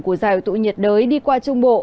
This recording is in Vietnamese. của dài tụ nhiệt đới đi qua trung bộ